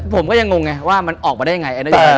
ผมก็ยังงงไงว่ามันออกมาได้ยังไง